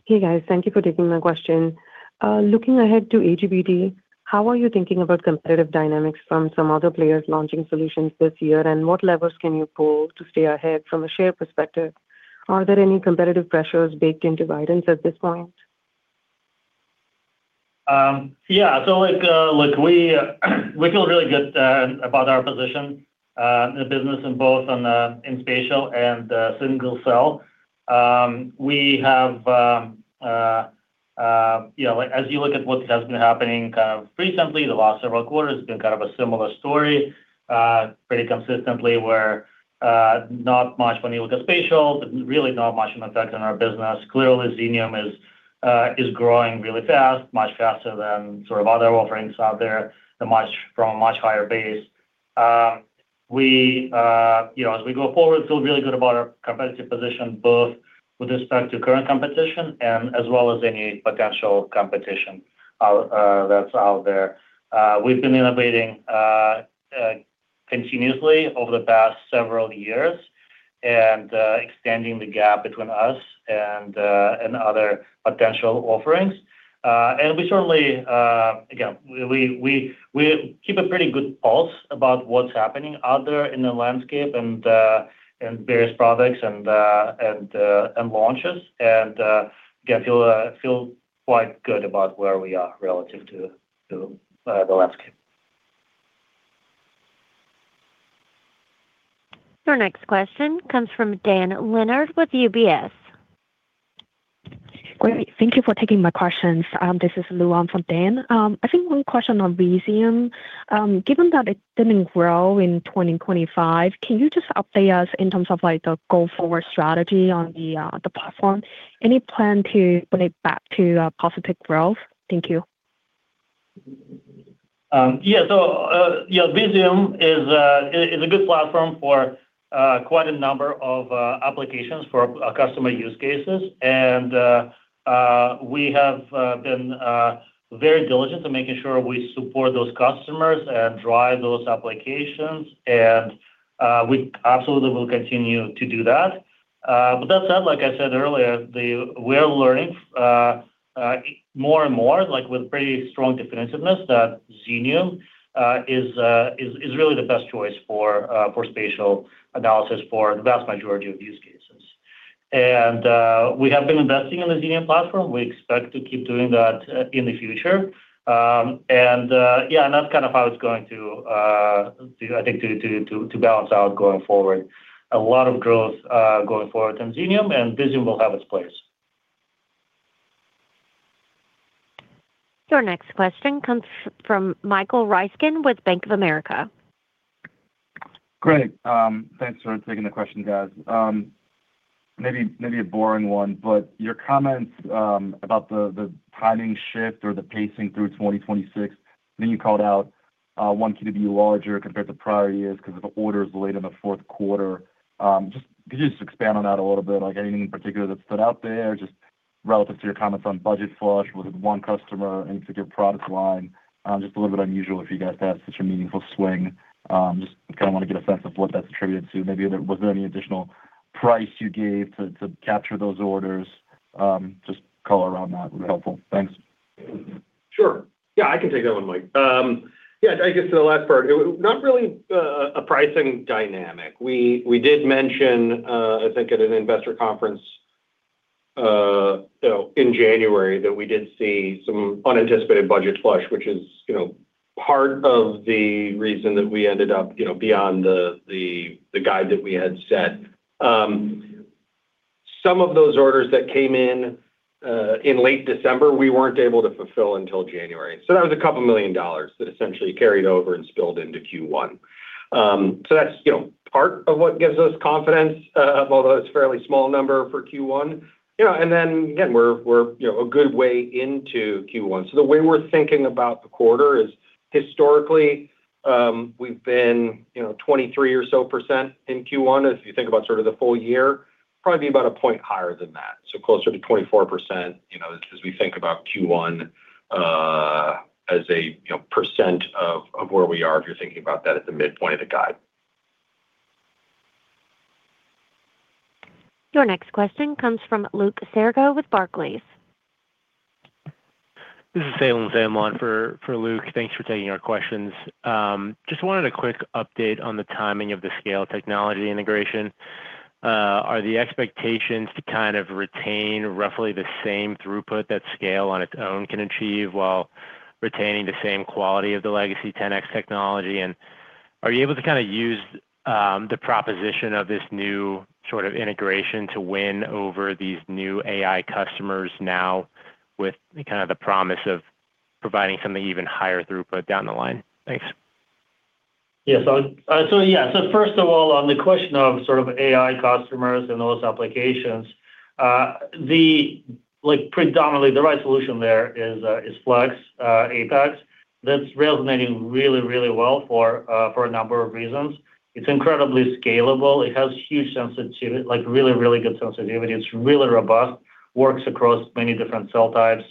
Hey, guys. Thank you for taking my question. Looking ahead to AGBT, how are you thinking about competitive dynamics from some other players launching solutions this year? And what levers can you pull to stay ahead from a share perspective? Are there any competitive pressures baked into guidance at this point? Yeah, so like, look, we feel really good about our position in the business and both in spatial and single cell. We have, you know, as you look at what has been happening kind of recently, the last several quarters, it's been kind of a similar story pretty consistently where not much when you look at spatial, but really not much of an effect on our business. Clearly, Xenium is growing really fast, much faster than sort of other offerings out there from a much higher base. We, you know, as we go forward, feel really good about our competitive position, both with respect to current competition and as well as any potential competition out that's out there. We've been innovating continuously over the past several years and extending the gap between us and other potential offerings. And we certainly again we keep a pretty good pulse about what's happening out there in the landscape and in various products and and launches. And again feel quite good about where we are relative to the landscape. Your next question comes from Dan Leonard with UBS. Great, thank you for taking my questions. This is Luan from Dan. I think one question on Visium. Given that it didn't grow in 2025, can you just update us in terms of, like, the go-forward strategy on the, the platform? Any plan to bring it back to, positive growth? Thank you. Yeah. So, yeah, Visium is a good platform for quite a number of applications for our customer use cases. And, we have been very diligent in making sure we support those customers and drive those applications, and we absolutely will continue to do that. But that said, like I said earlier, we are learning more and more, like, with pretty strong defensiveness, that Xenium is really the best choice for spatial analysis for the vast majority of use cases. And, we have been investing in the Xenium platform. We expect to keep doing that in the future. And, yeah, and that's kind of how it's going to, I think to balance out going forward. A lot of growth, going forward in Xenium and Visium will have its place. Your next question comes from Michael Ryskin with Bank of America. Great. Thanks for taking the question, guys. Maybe, maybe a boring one, but your comments about the timing shift or the pacing through 2026, I think you called out 1Q to be larger compared to prior years because of the orders late in the fourth quarter. Just, could you just expand on that a little bit? Like anything in particular that stood out there, just relative to your comments on budget flush with one customer and to your product line? Just a little bit unusual if you guys had such a meaningful swing. Just kind of want to get a sense of what that's attributed to. Maybe was there any additional price you gave to capture those orders, just color around that would be helpful. Thanks. Sure. Yeah, I can take that one, Mike. Yeah, I guess the last part, not really, a pricing dynamic. We did mention, I think at an investor conference, you know, in January, that we did see some unanticipated budget flush, which is, you know, part of the reason that we ended up, you know, beyond the guide that we had set. Some of those orders that came in, in late December, we weren't able to fulfill until January. So that was $2 million that essentially carried over and spilled into Q1. So that's, you know, part of what gives us confidence, although it's a fairly small number for Q1. You know, and then again, we're, you know, a good way into Q1. The way we're thinking about the quarter is historically, we've been, you know, 23% or so in Q1. If you think about sort of the full year, probably be about a point higher than that, so closer to 24%, you know, as we think about Q1, as a percent of where we are, if you're thinking about that at the midpoint of the guide. Your next question comes from Luke Sergott with Barclays. This is Salem Salem for Luke. Thanks for taking our questions. Just wanted a quick update on the timing of the Scale technology integration. Are the expectations to kind of retain roughly the same throughput that Scale on its own can achieve, while retaining the same quality of the legacy 10x technology? And are you able to kind of use the proposition of this new sort of integration to win over these new AI customers now with kind of the promise of providing something even higher throughput down the line? Thanks. Yes. So first of all, on the question of sort of AI customers and those applications, the—like predominantly, the right solution there is, is Flex Apex. That's resonating really, really well for a number of reasons. It's incredibly scalable, it has huge sensitivity, like really, really good sensitivity, it's really robust, works across many different cell types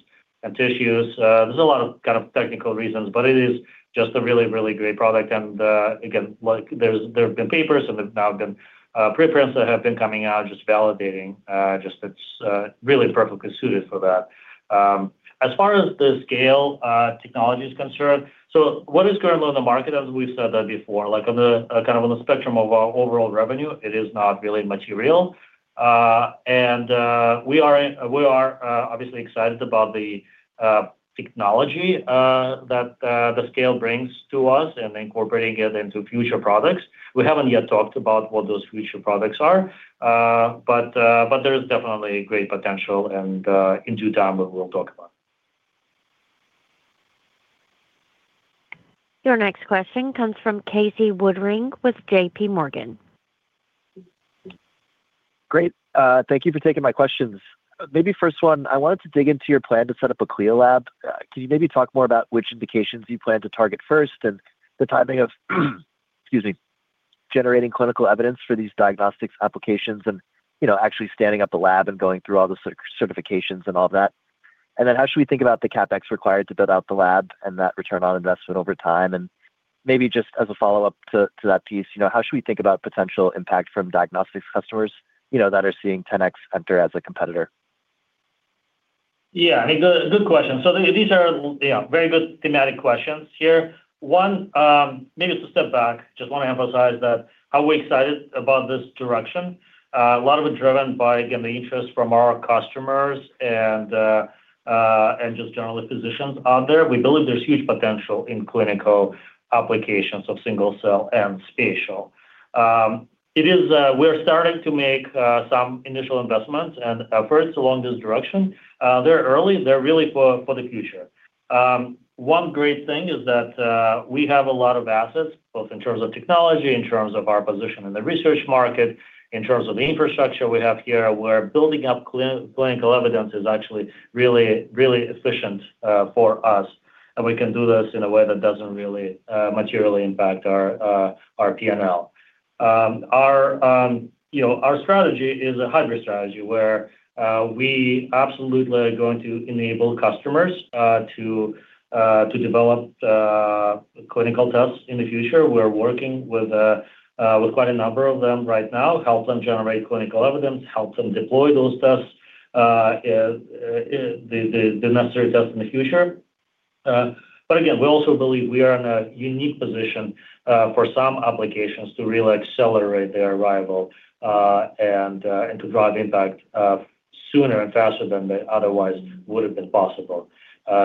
and tissues. There's a lot of kind of technical reasons, but it is just a really, really great product. And again, like there's, there have been papers and there's now been preprints that have been coming out, just validating just it's really perfectly suited for that. As far as the Scale technology is concerned, so what is going on in the market, as we've said that before, like on the kind of on the spectrum of our overall revenue, it is not really material. And we are obviously excited about the technology that the Scale brings to us and incorporating it into future products. We haven't yet talked about what those future products are, but there is definitely great potential and in due time, we'll talk about. Your next question comes from Casey Woodring with JPMorgan. Great. Thank you for taking my questions. Maybe first one, I wanted to dig into your plan to set up a CLIA lab. Can you maybe talk more about which indications you plan to target first and the timing of, excuse me, generating clinical evidence for these diagnostics applications and, you know, actually standing up the lab and going through all the certifications and all that? And then how should we think about the CapEx required to build out the lab and that return on investment over time? And maybe just as a follow-up to that piece, you know, how should we think about potential impact from diagnostics customers, you know, that are seeing 10x enter as a competitor? Yeah, I mean, good, good question. So these are, yeah, very good thematic questions here. One, maybe just to step back, just want to emphasize that are we excited about this direction? A lot of it driven by, again, the interest from our customers and, and just generally physicians out there. We believe there's huge potential in clinical applications of single-cell and spatial. It is, we're starting to make, some initial investments and efforts along this direction. They're early. They're really for the future. One great thing is that we have a lot of assets, both in terms of technology, in terms of our position in the research market, in terms of the infrastructure we have here, where building up clinical evidence is actually really, really efficient for us, and we can do this in a way that doesn't really materially impact our P&L. You know, our strategy is a hybrid strategy, where we absolutely are going to enable customers to develop clinical tests in the future. We're working with quite a number of them right now, help them generate clinical evidence, help them deploy those tests, the necessary tests in the future. But again, we also believe we are in a unique position for some applications to really accelerate their arrival, and to drive impact sooner and faster than they otherwise would have been possible.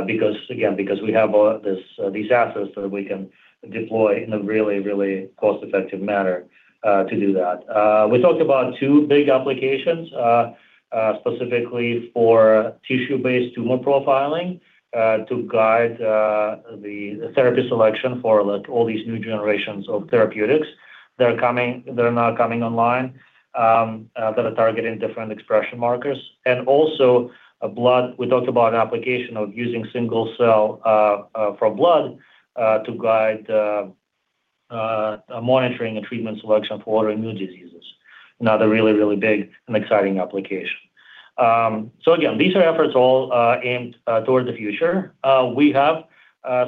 Because again, we have all this, these assets that we can deploy in a really, really cost-effective manner to do that. We talked about two big applications specifically for tissue-based tumor profiling to guide the therapy selection for, like, all these new generations of therapeutics that are coming, that are now coming online that are targeting different expression markers. And also a blood. We talked about an application of using single cell for blood to guide monitoring and treatment selection for autoimmune diseases. Another really, really big and exciting application. So, again, these are efforts all aimed towards the future. We have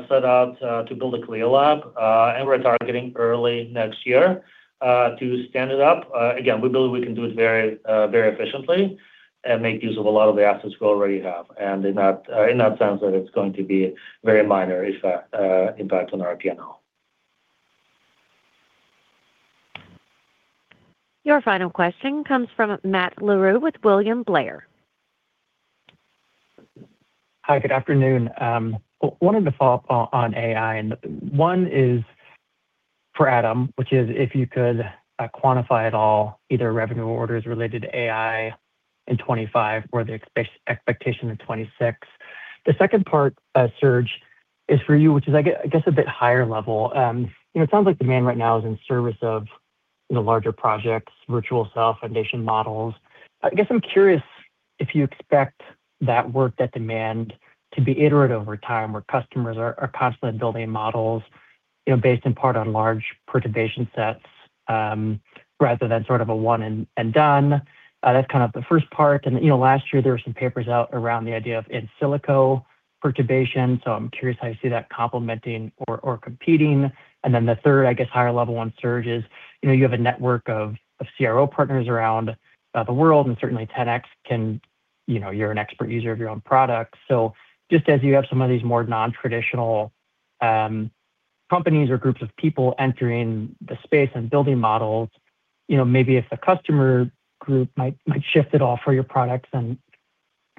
set out to build a CLIA lab, and we're targeting early next year to stand it up. Again, we believe we can do it very, very efficiently and make use of a lot of the assets we already have. And in that, in that sense, it's going to be very minor impact on our P&L. Your final question comes from Matt Larew with William Blair. Hi, good afternoon. Wanted to follow up on AI, and one is for Adam, which is if you could quantify at all either revenue orders related to AI in 2025 or the expectation in 2026. The second part, Serge, is for you, which is, I guess, a bit higher level. You know, it sounds like demand right now is in service of the larger projects, Virtual Cell foundation models. I guess I'm curious if you expect that work, that demand to be iterative over time, where customers are constantly building models, you know, based in part on large perturbation sets, rather than sort of a one and done. That's kind of the first part. You know, last year there were some papers out around the idea of in silico perturbation, so I'm curious how you see that complementing or competing. Then the third, I guess, higher level on Serge is, you know, you have a network of CRO partners around the world, and certainly 10x can. You know, you're an expert user of your own product. So just as you have some of these more non-traditional companies or groups of people entering the space and building models, you know, maybe if the customer group might shift at all for your products, and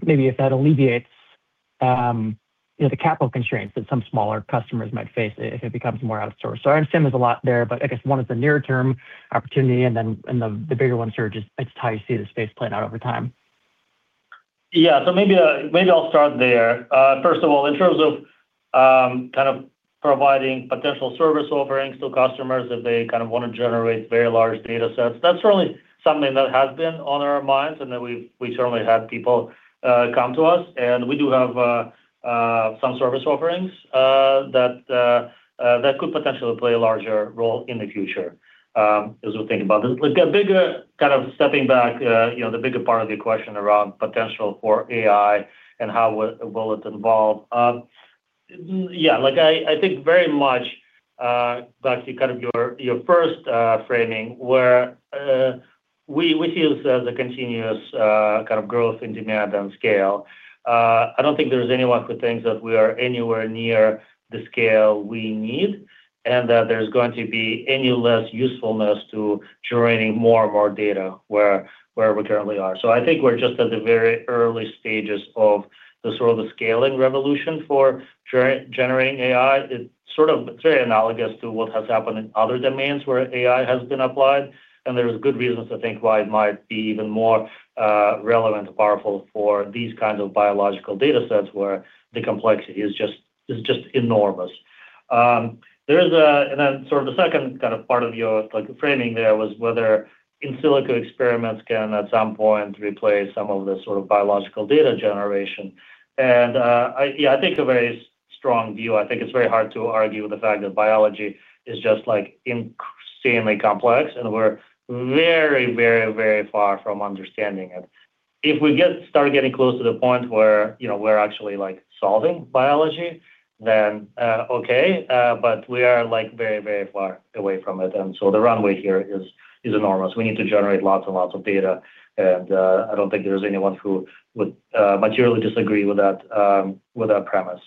maybe if that alleviates the capital constraints that some smaller customers might face if it becomes more outsourced. So I understand there's a lot there, but I guess one is the near term opportunity, and then the bigger one, Serge, is how you see the space playing out over time. Yeah. So maybe, maybe I'll start there. First of all, in terms of, kind of providing potential service offerings to customers, if they kind of want to generate very large data sets, that's certainly something that has been on our minds and that we've—we certainly had people, come to us. And we do have, some service offerings, that, that could potentially play a larger role in the future, as we think about this. The bigger, kind of stepping back, you know, the bigger part of your question around potential for AI and how will, will it evolve? Yeah, like I, I think very much, back to kind of your, your first, framing, where, we, we see this as a continuous, kind of growth in demand and scale. I don't think there's anyone who thinks that we are anywhere near the scale we need, and that there's going to be any less usefulness to joining more of our data where we currently are. So I think we're just at the very early stages of the sort of the scaling revolution for generating AI. It's sort of very analogous to what has happened in other domains where AI has been applied, and there is good reasons to think why it might be even more relevant and powerful for these kinds of biological data sets, where the complexity is just enormous. And then sort of the second kind of part of your, like, framing there was whether in silico experiments can at some point replace some of the sort of biological data generation. Yeah, I think a very strong view. I think it's very hard to argue with the fact that biology is just, like, insanely complex, and we're very, very, very far from understanding it. If we start getting close to the point where, you know, we're actually, like, solving biology, then, okay, but we are, like, very, very far away from it. And so the runway here is enormous. We need to generate lots and lots of data, and I don't think there's anyone who would materially disagree with that, with that premise.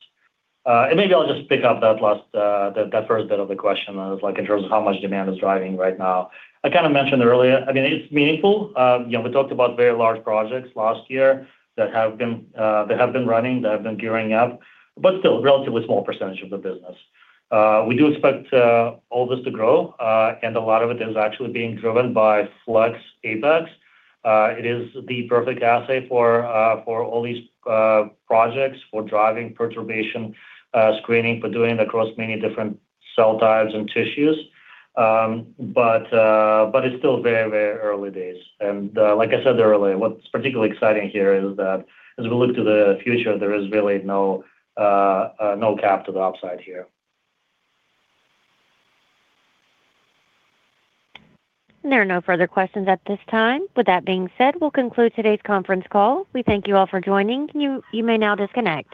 And maybe I'll just pick up that last, that first bit of the question on like, in terms of how much demand is driving right now. I kind of mentioned earlier, I mean, it's meaningful. You know, we talked about very large projects last year that have been running, that have been gearing up, but still a relatively small percentage of the business. We do expect all this to grow, and a lot of it is actually being driven by Flex Apex. It is the perfect assay for all these projects, for driving perturbation screening, for doing it across many different cell types and tissues. But it's still very, very early days. Like I said earlier, what's particularly exciting here is that as we look to the future, there is really no cap to the upside here. There are no further questions at this time. With that being said, we'll conclude today's conference call. We thank you all for joining. You may now disconnect.